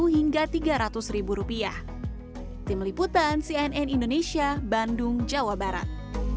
hingga tiga ratus rupiah tim liputan cnn indonesia bandung jawa barat